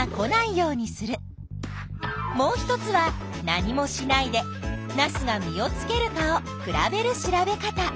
もう１つは何もしないでナスが実をつけるかを比べる調べ方。